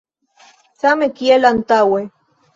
Same kiel antaŭe.